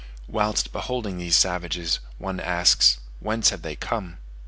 Whilst beholding these savages, one asks, whence have they come?